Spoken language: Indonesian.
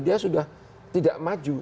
dia sudah tidak maju